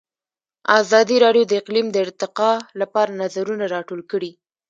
ازادي راډیو د اقلیم د ارتقا لپاره نظرونه راټول کړي.